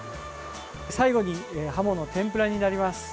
最後にハモの天ぷらになります。